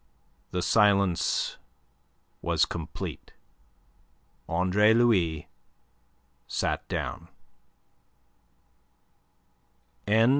The silence was complete. Andre Louis sat down.